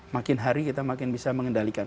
makin hari kita makin bisa mengendalikan